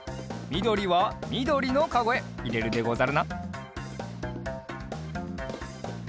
みどりはみどりのカゴへいれるでござるな。